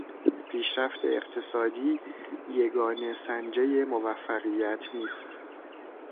پیشرفت اقتصادی یگانه سنجهی موفقیت نیست.